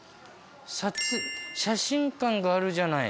写真館があるじゃない。